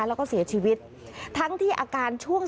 แล้วก็เสียชีวิตทั้งที่อาการช่วง